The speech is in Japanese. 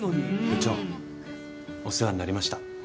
部長お世話になりました。